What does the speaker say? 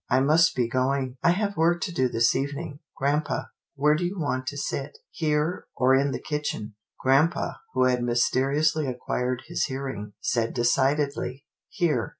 " I must be going. I have work to do this evening — Grampa, where do you want to sit ? Here, or in the kitchen ?" Grampa, who had mysteriously acquired his hear ing, said decidedly, Here."